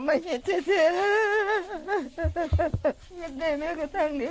มันนี่ถูกภาครักฉันเลย